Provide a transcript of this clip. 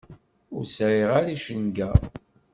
Ur sɛiɣ ara icenga.